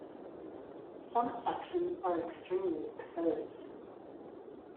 Some sections are extremely exposed.